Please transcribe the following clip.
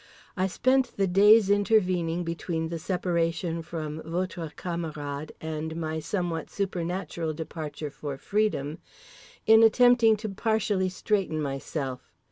I spent the days intervening between the separation from "votre camarade" and my somewhat supernatural departure for freedom in attempting to partially straighten myself.